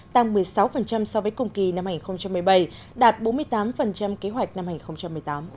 tăng một mươi sáu so với cùng kỳ năm hai nghìn một mươi bảy đạt bốn mươi tám kế hoạch năm hai nghìn một mươi tám